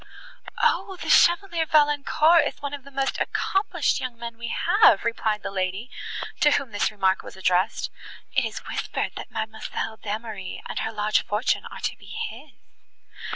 "Oh, the Chevalier Valancourt is one of the most accomplished young men we have," replied the lady, to whom this remark was addressed: "it is whispered, that Mademoiselle d'Emery, and her large fortune, are to be his."